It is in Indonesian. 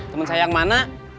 temen saya yang mana